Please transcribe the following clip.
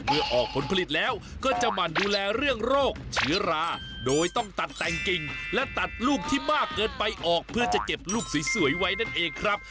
ออกผลผลิตแล้วก็จะหมั่นดูแลเรื่องโรคเชื้อราโดยต้องตัดแต่งกิ่งและตัดลูกที่มากเกินไปออกเพื่อจะเก็บลูกสวยไว้นั่นเองครับ